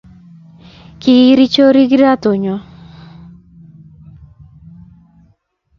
kiiri chorik kirato nyo